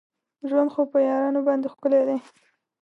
ژوند خو په یارانو باندې ښکلی دی.